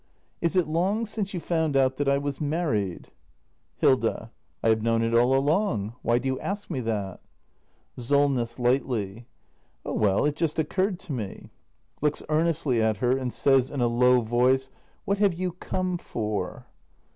] Is it long since you found out that I was married ? Hilda. I have known it all along. Why do you ask me that? Solness. [Lightly.] Oh, well, it just occurred to me. [Looks earnestly at her, and says in a low voice.] What have you come for?